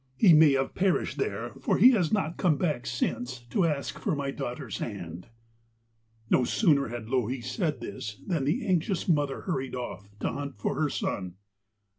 He may have perished there, for he has not come back since to ask for my daughter's hand.' No sooner had Louhi said this than the anxious mother hurried off to hunt for her son.